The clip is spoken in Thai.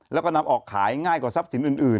แล้วก็นำออกขายง่ายกว่าทรัพย์สินอื่น